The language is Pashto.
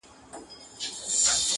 چي موږ ډېر یو تر شمېره تر حسابونو٫